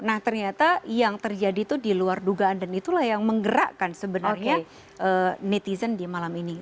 nah ternyata yang terjadi itu di luar dugaan dan itulah yang menggerakkan sebenarnya netizen di malam ini